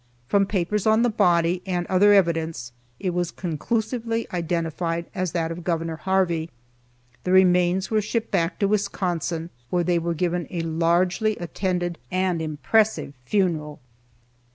From papers on the body, and other evidence, it was conclusively identified as that of Gov. Harvey. The remains were shipped back to Wisconsin, where they were given a largely attended and impressive funeral.